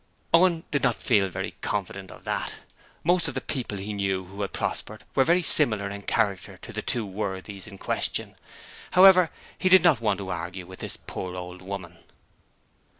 Owen did not feel very confident of that. Most of the people he knew who had prospered were very similar in character to the two worthies in question. However, he did not want to argue with this poor old woman.